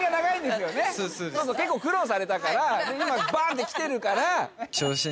結構苦労されたから今バンってきてるから。